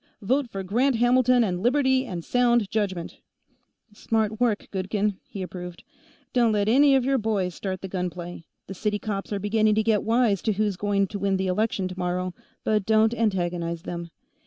Vote for Grant Hamilton and liberty and sound government!_ "Smart work, Goodkin," he approved. "Don't let any of your boys start the gunplay. The city cops are beginning to get wise to who's going to win the election, tomorrow, but don't antagonize them.